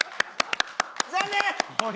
残念！